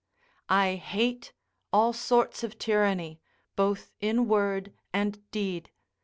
I hate all sorts of tyranny, both in word and deed.